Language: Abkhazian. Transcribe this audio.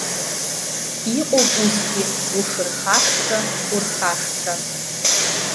Иҟоуп усгьы ушырхашҭра урхашҭран.